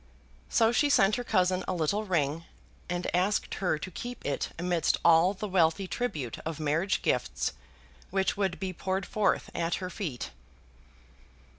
So she sent her cousin a little ring, and asked her to keep it amidst all the wealthy tribute of marriage gifts which would be poured forth at her feet.